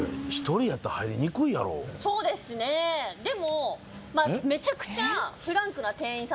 そうですねでも。